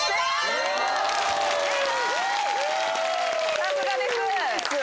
さすがです！